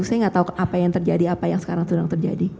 saya nggak tahu apa yang terjadi apa yang sekarang sedang terjadi